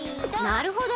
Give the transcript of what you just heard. なるほど！